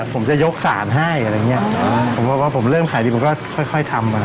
ผมจะยกสารให้อะไรอย่างเงี้ยผมบอกว่าผมเริ่มขายดีผมก็ค่อยค่อยทำมา